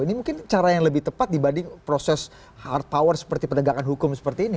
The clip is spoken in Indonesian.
ini mungkin cara yang lebih tepat dibanding proses hard power seperti penegakan hukum seperti ini